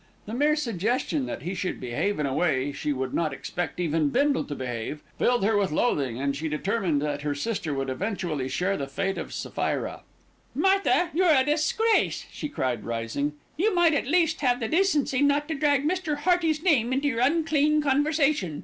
The mere suggestion that he should behave in a way she would not expect even Bindle to behave, filled her with loathing, and she determined that her sister would eventually share the fate of Sapphira. "Martha, you're a disgrace," she cried, rising. "You might at least have the decency not to drag Mr. Hearty's name into your unclean conversation.